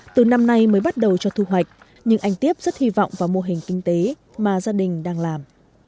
từ năm nay mới bắt đầu cho thu hoạch nhưng anh tiếp rất hy vọng vào mô hình kinh tế mà gia đình đang làm